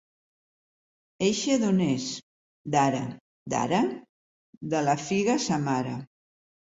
Eixe d'on és? / —D'Are. / —D'Are? / —De la figa sa mare.